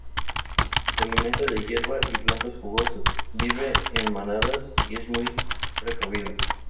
Se alimenta de hierba y plantas jugosas; vive en manadas y es muy precavido.